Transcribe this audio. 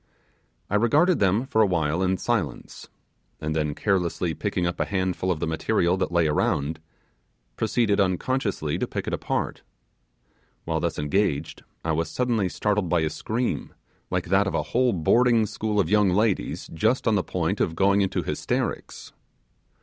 I regarded them for a while in silence, and then carelessly picking up a handful of the material that lay around, proceeded unconsciously to pick it apart. While thus engaged, I was suddenly startled by a scream, like that of a whole boarding school of young ladies just on the point of going into hysterics.